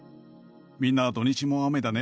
みんな土日も雨だね